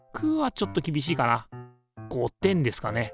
５点ですかね。